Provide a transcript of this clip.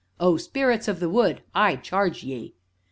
O Spirits of the Wood, I charge ye!"